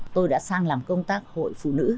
tôi đã sang làm công tác hội phụ nữ